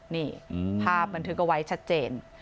นี่ภาพบันทึกเอาไว้ชัดเจน